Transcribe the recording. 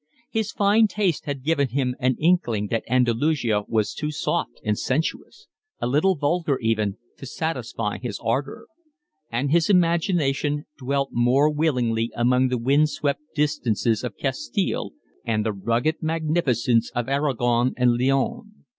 His fine taste had given him an inkling that Andalusia was too soft and sensuous, a little vulgar even, to satisfy his ardour; and his imagination dwelt more willingly among the wind swept distances of Castile and the rugged magnificence of Aragon and Leon.